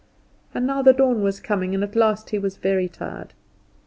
And now the dawn was coming, and at last he was very tired.